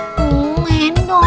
aduh main dong